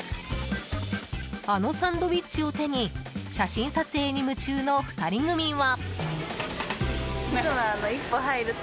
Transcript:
あのサンドイッチを手に写真撮影に夢中の２人組は。